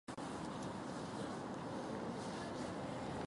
周りと一緒は嫌というのが理由